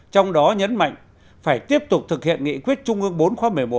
trong đó nhấn mạnh phải tiếp tục thực hiện nghị quyết trung ương bốn khóa một mươi một